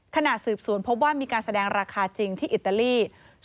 ขณะสืบสวนพบว่ามีการแสดงราคาจริงที่อิตาลี